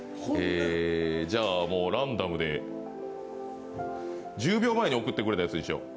じゃあランダムで１０秒前に送ってくれたやつ。